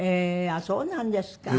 あっそうなんですか。